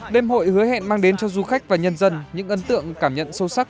đêm hội hứa hẹn mang đến cho du khách và nhân dân những ấn tượng cảm nhận sâu sắc